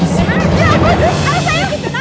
tidak ada yang bisa dipercaya